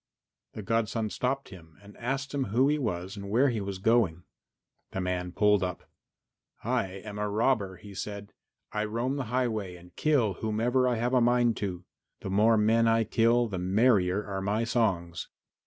The godson stopped him and asked him who he was and where he was going. The man pulled up. "I am a robber," he said; "I roam the highway and kill whomever I have a mind to. The more men I kill the merrier are my songs."